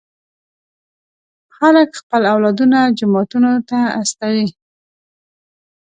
خلک خپل اولادونه جوماتونو ته استوي.